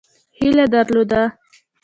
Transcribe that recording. هیله درلوده.